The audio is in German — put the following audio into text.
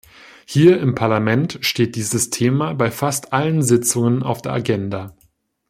Hier im Parlament steht dieses Thema bei fast allen Sitzungen auf der Agenda.